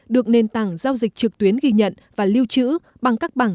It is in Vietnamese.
được nền tảng giao dịch trực tuyến ghi nhận và lưu trữ bằng các bảng